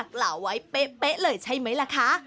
กล่าวไว้เป๊ะเลยใช่ไหมล่ะคะ